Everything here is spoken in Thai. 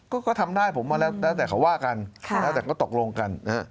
ก็ทำได้ผมว่าแล้วแต่เขาว่ากันแล้วแต่ก็ตกลงกัน